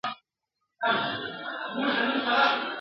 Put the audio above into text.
په سینو کي یې ځای ونیوی اورونو ..